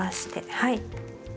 はい。